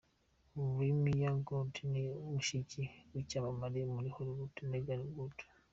La’Myia Good ni mushiki w’icyamamare muri Hollywood, Meagan Good.